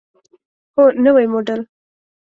هو، نوی موډل